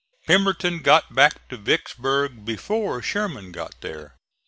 Pemberton got back to Vicksburg before Sherman got there.